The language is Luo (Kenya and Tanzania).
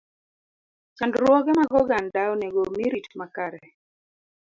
Chandruoge mag oganda onego omi rit makare.